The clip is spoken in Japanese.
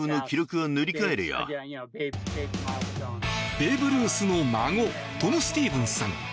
ベーブ・ルースの孫トム・スティーブンスさん。